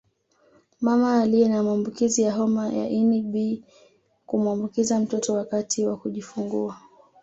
Mama aliye na maambukizi ya homa ya ini B kumuambukiza mtoto wakati wa kujifungua